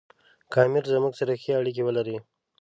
که امیر زموږ سره ښې اړیکې ولري.